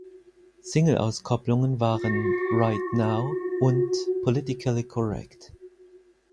Singleauskoppelungen waren "Right Now" und "Politically Correct".